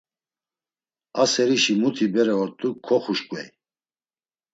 A serişi muti bere ort̆u koxuşǩvey.